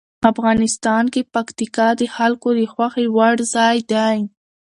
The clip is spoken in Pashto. افغانستان کې پکتیکا د خلکو د خوښې وړ ځای دی.